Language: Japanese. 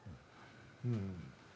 うん。